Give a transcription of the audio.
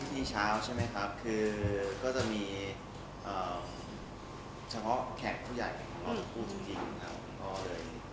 อ๋อวิธีเช้าใช่ไหมครับคือก็จะมีเฉพาะแขกผู้ใหญ่